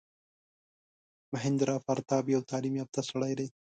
مهیندراپراتاپ یو تعلیم یافته سړی دی.